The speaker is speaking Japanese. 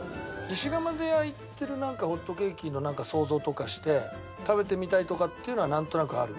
石釜で焼いてるホットケーキの想像とかして食べてみたいとかっていうのはなんとなくある？